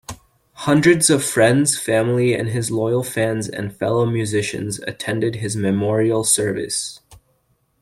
Hundreds of friends, family, his loyal fans and fellow musicians attended his memorial service.